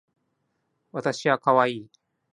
わたしはかわいい